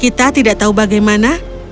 kita tidak tahu bagaimana